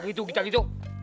gitu gitu gitu